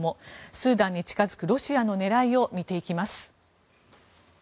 スーダンに近付くロシアの狙いを見ていきます。